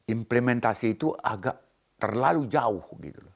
implementasi itu agak terlalu jauh